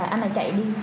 anh lại chạy đi